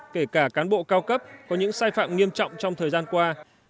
kể cả cán bộ cao cấp có những sai phạm nghiêm trọng trong thời gian qua